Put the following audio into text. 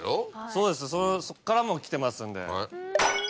そうですそっからも来てますんで。